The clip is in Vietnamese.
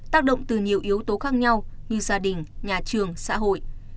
tác động từ nhiều yếu tố khác nhau như gia đình nhà trường xã hội